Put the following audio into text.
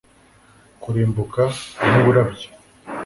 Kurimbuka nkumurabyo